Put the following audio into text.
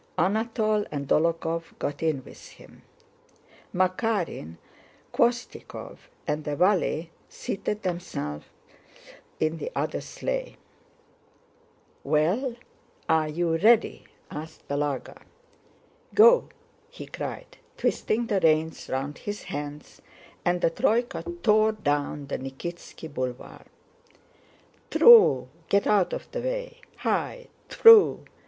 Anatole and Dólokhov got in with him. Makárin, Khvóstikov, and a valet seated themselves in the other sleigh. "Well, are you ready?" asked Balagá. "Go!" he cried, twisting the reins round his hands, and the troyka tore down the Nikítski Boulevard. "Tproo! Get out of the way! Hi!... Tproo!..."